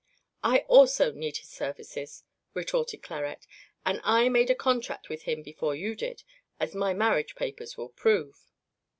"I also need his services," retorted Clarette, "and I made a contract with him before you did, as my marriage papers will prove."